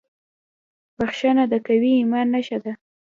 • بښنه د قوي ایمان نښه ده.